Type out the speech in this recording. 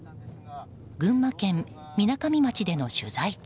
群馬県みなかみ町での取材中。